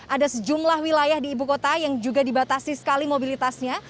ada sejumlah wilayah di ibu kota yang juga dibatasi sekali mobilitasnya